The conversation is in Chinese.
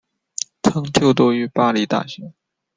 曾就读于巴黎大学。